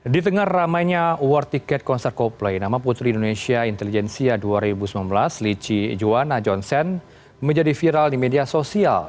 di tengah ramainya award tiket konser coldplay nama putri indonesia intelijensia dua ribu sembilan belas lichi juwana john sen menjadi viral di media sosial